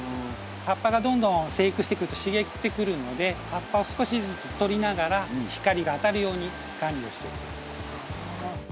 葉っぱがどんどん生育してくると茂ってくるので葉っぱを少しずつ取りながら光が当たるように管理をしてっております。